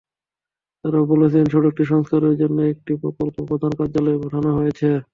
তাঁরা বলেছেন, সড়কটি সংস্কারের জন্য একটি প্রকল্প প্রধান কার্যালয়ে পাঠানো হয়েছে।